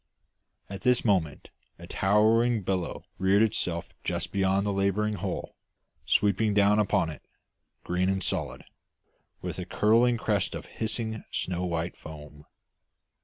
At this moment a towering billow reared itself just beyond the labouring hull, sweeping down upon it, green and solid, with a curling crest of hissing, snow white foam.